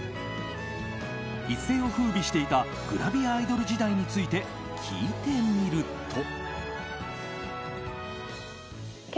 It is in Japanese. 一世を風靡していたグラビアアイドル時代について聞いてみると。